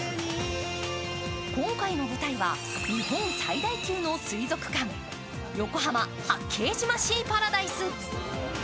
今回の舞台は日本最大級の水族館、横浜・八景島シーパラダイス。